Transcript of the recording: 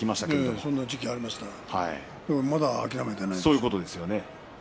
そんな時期がありました、まだ諦めてないよね。